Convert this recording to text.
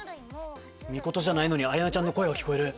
ミコトじゃないのに綾音ちゃんの声が聞こえる。